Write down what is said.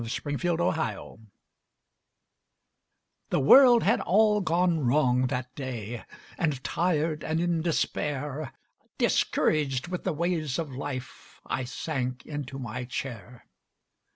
MY COMFORTER The world had all gone wrong that day And tired and in despair, Discouraged with the ways of life, I sank into my chair.